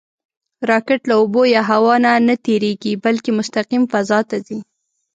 راکټ له اوبو یا هوا نه نهتېرېږي، بلکې مستقیم فضا ته ځي